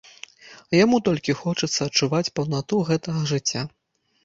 Яму толькі хочацца адчуваць паўнату гэтага жыцця.